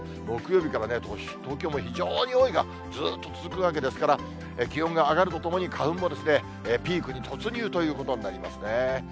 木曜日から東京も非常に多いがずっと続くわけですから、気温が上がるとともに、花粉もピークに突入ということになりますね。